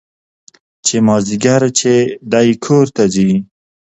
چې مازديګر چې دى کور ته ځي.